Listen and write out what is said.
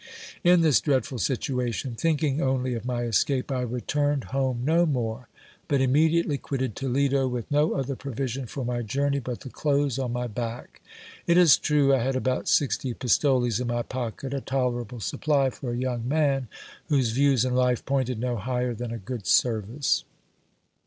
In this dreadful situation, thinking only of my escape, I returned home no more, but immediately quitted Toledo, with no other provision for my journey but the clothes on my back. It is true, I had about sixty pistoles in my pocket ; a tolerable supply for a young man, whose views in life pointed no higher than a good service.